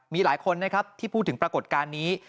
มีหลายคนนะครับที่พูดถึงปรากฏการณ์นี้